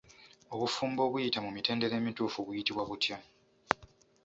Obufumbo obuyita mu mitendera emituufu buyitibwa butya?